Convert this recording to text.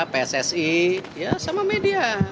pssi sama media